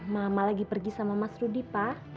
mama lagi pergi sama mas rudy pak